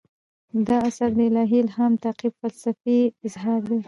دا اثر د الهي الهام د تعقیب فلسفي اظهار دی.